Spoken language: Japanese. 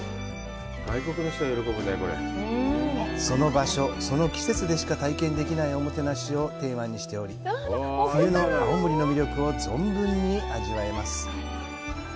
その場所、その季節でしか体験できないおもてなしをテーマにしており、冬の青森の魅力を存分に味わえます。